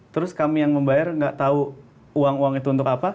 terus kami yang membayar nggak tahu uang uang itu untuk apa